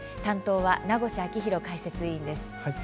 担当は、名越章浩解説委員です。